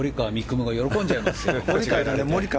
夢が喜んじゃいますよ。